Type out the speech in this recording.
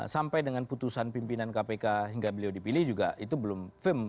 sampai dengan putusan pimpinan kpk hingga beliau dipilih juga itu belum firm